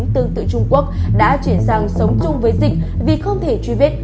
tương tự trung quốc đã chuyển sang sống chung với dịch vì không thể truy vết